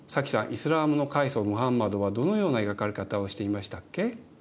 イスラームの開祖ムハンマドはどのような描かれ方をしていましたっけ？